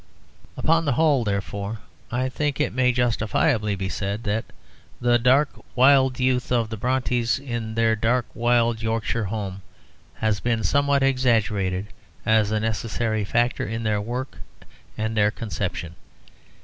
Upon the whole, therefore, I think it may justifiably be said that the dark wild youth of the Brontës in their dark wild Yorkshire home has been somewhat exaggerated as a necessary factor in their work and their conception.